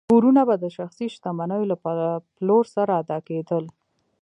پورونه به د شخصي شتمنیو له پلور سره ادا کېدل.